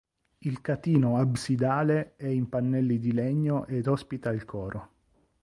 Il catino absidale è in pannelli di legno ed ospita il coro.